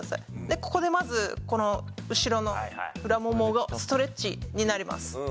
ここでまず、後ろの裏もものストレッチになります。